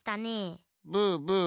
ブーブー。